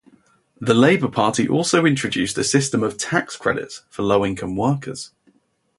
The Labour Party also introduced a system of tax credits for low-income workers.